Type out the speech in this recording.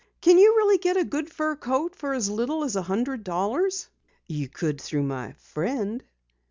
"Can you really get a good fur coat for as little as a hundred dollars?" "You could through my friend."